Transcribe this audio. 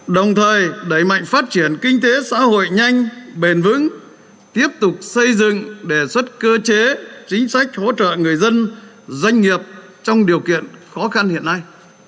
đồng thời đẩy mạnh phát triển kinh tế xã hội nhanh bền vững tiếp tục xây dựng đề xuất cơ chế chính sách hỗ trợ người dân doanh nghiệp trong điều kiện khó khăn hiện nay